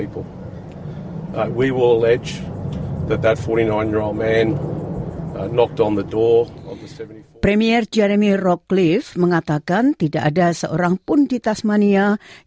premier jeremy rockcliffe mengatakan tidak ada seorang pun di tasmanian